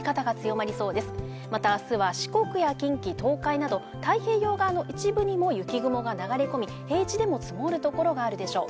またあすは四国や近畿、東海など、太平洋側の一部にも雪雲が流れ込み、平地でも積もる所があるでしょう。